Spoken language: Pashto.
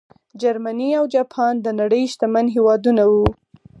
جرمني او جاپان د نړۍ شتمن هېوادونه وو.